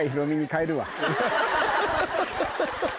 アハハハハ。